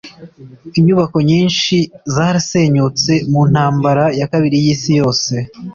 inyubako nyinshi zarasenyutse mu ntambara ya kabiri y'isi yose